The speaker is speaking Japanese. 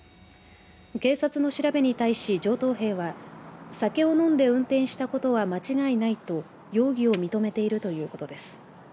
警察の調べに対し、上等兵は酒を飲んで運転したことは間違いないと容疑を認めているということです。